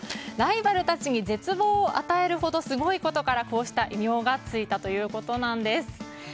ライバルたちに絶望を与えるほどすごいことからこうした異名がついたということなんです。